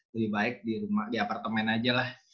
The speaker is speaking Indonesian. lebih baik di apartemen aja lah